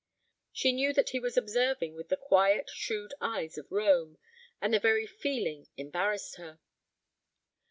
She knew that he was observing with the quiet, shrewd eyes of Rome, and the very feeling embarrassed her.